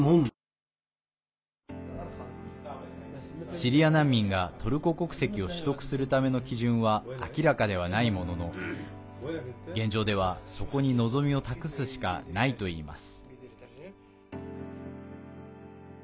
シリア難民が、トルコ国籍を取得するための基準は明らかではないものの現状では、そこに望みを託すしかないと言います。